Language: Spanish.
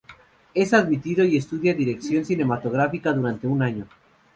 Es admitido y estudia dirección cinematográfica durante un año.